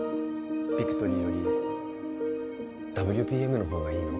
ビクトリーよりＷＰＭの方がいいの？